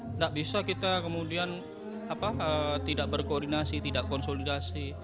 tidak bisa kita kemudian tidak berkoordinasi tidak konsolidasi